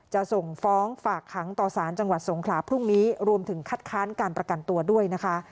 จะส่งฟ้องฝากขังต่อสารจังหวัดสงขลาพรุ่งนี้รวมถึงคัดค้านการประกันตัวด้วยนะคะ